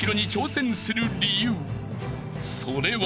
［それは］